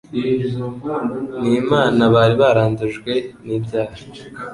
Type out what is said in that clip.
n'Imana bari barandujwe n'ibyaha